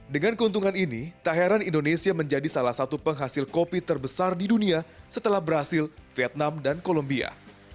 dengan keuntungan ini tak heran indonesia menjadi salah satu penghasil kopi terbesar di dunia setelah brazil vietnam dan kolombia